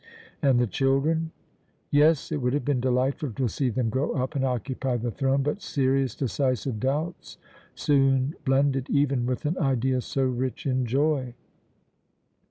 And the children? Yes, it would have been delightful to see them grow up and occupy the throne, but serious, decisive doubts soon blended even with an idea so rich in joy.